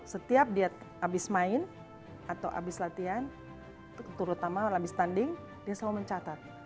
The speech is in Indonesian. setiap dia habis main atau habis latihan terutama habis tanding dia selalu mencatat